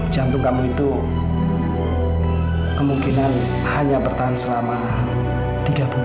jantung kamu itu kemungkinan hanya bertahan selama tiga bulan